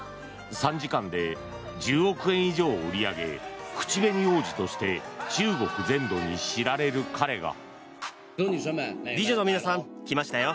３時間で１０億円以上を売り上げ口紅王子として中国全土に知られる彼が。